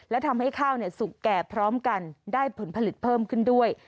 และทำให้ข้าวสุกแก่พร้อมกันได้ผลผลิตเพิ่มขึ้นด้วย